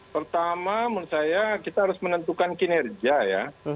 pertama menurut saya kita harus menentukan kinerja ya